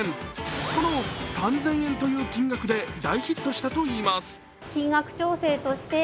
この３０００円という金額で大ヒットしたといいます。